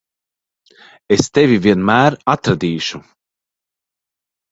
Es tevi vienmēr atradīšu.